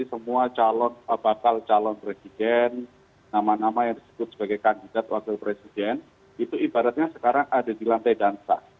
semua calon bakal calon presiden nama nama yang disebut sebagai kandidat wakil presiden itu ibaratnya sekarang ada di lantai dansa